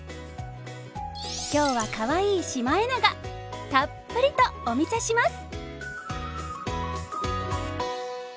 今日はかわいいシマエナガたっぷりとお見せします！